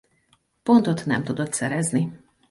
Pontot nem tudott szerezni.